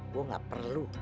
gue gak perlu